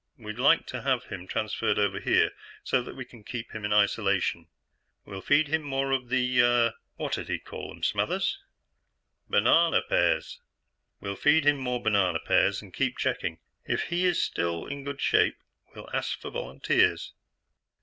We'd like to have him transferred over here, so that we can keep him in isolation. We'll feed him more of the ... uh ... what'd he call 'em, Smathers?" "Banana pears." "We'll feed him more banana pears, and keep checking. If he is still in good shape, we'll ask for volunteers."